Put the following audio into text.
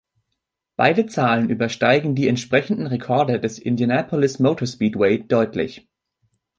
Beide Zahlen übersteigen die entsprechenden Rekorde des Indianapolis Motor Speedway deutlich.